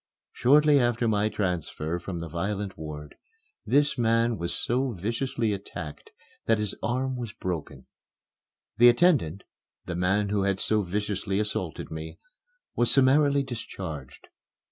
Shortly after my transfer from the violent ward this man was so viciously attacked that his arm was broken. The attendant (the man who had so viciously assaulted me) was summarily discharged.